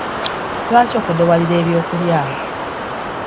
Lwaki okodowalira ebyokulya?